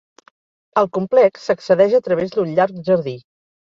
Al complex s'accedeix a través d'un llarg jardí.